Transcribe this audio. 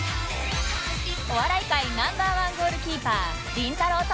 お笑い界 Ｎｏ．１ ゴールキーパーりんたろー。